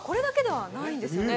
実はこれだけではないんですよね。